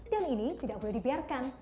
dan ini tidak boleh dibiarkan